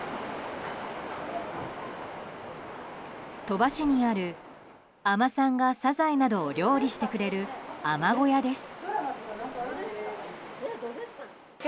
鳥羽市にある海女さんがサザエなどを料理してくれる海女小屋です。